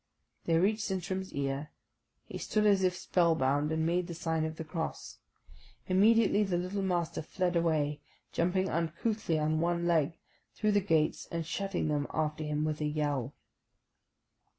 They reached Sintram's ear; he stood as if spellbound and made the Sign of the Cross. Immediately the little master fled away, jumping uncouthly on one leg, through the gates and shutting them after him with a yell.